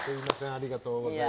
ありがとうございます。